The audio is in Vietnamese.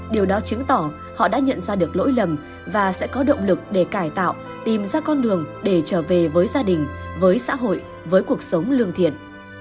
điều đó chứng tỏ họ đã nhận ra được lỗi lầm và sẽ có động lực để cải tạo tìm ra con đường để trở về với gia đình với xã hội với cuộc sống lương thiện